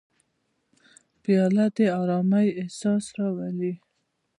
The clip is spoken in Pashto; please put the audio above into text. پیاله د ارامۍ احساس راولي.